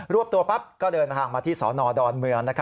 วบตัวปั๊บก็เดินทางมาที่สนดอนเมือง